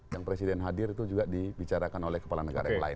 yang presiden hadir itu juga dibicarakan oleh kepala negara yang lain